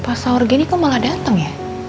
pas saurgeni kok malah dateng ya